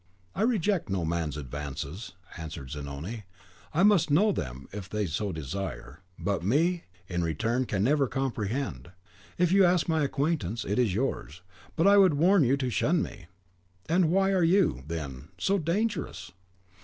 "I reject no man's advances," answered Zanoni; "I must know them if they so desire; but ME, in return, they can never comprehend. If you ask my acquaintance, it is yours; but I would warn you to shun me." "And why are you, then, so dangerous?"